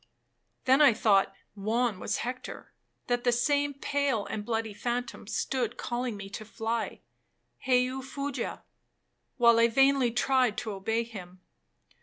Then I thought Juan was Hector,—that the same pale and bloody phantom stood calling me to fly—'Heu fuge,' while I vainly tried to obey him.